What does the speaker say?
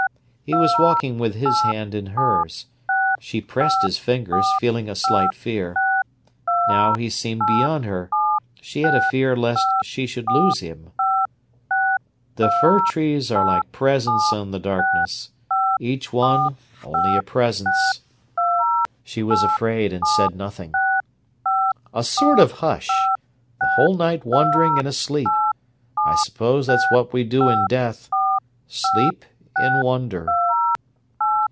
He was walking with his hand in hers. She pressed his fingers, feeling a slight fear. Now he seemed beyond her; she had a fear lest she should lose him. "The fir trees are like presences on the darkness: each one only a presence." She was afraid, and said nothing. "A sort of hush: the whole night wondering and asleep: I suppose that's what we do in death—sleep in wonder."